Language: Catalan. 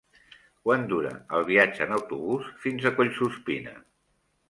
Quant dura el viatge en autobús fins a Collsuspina?